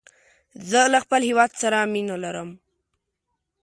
زه له خپل هېواد سره مینه لرم